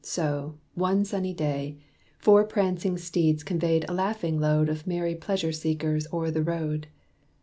So, one sunny day, Four prancing steeds conveyed a laughing load Of merry pleasure seekers o'er the road.